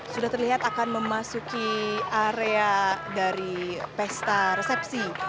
sudah terlihat akan memasuki area dari pesta resepsi